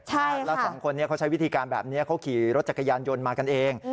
แล้วสองคนนี้เขาใช้วิธีการแบบนี้เขาขี่รถจักรยานยนต์มากันเอง